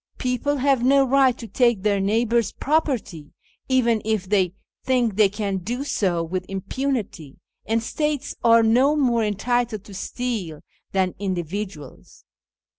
People have no right to take their neighbours' property, even if they think they can do so with impunity, and states are no more entitled to steal than individuals."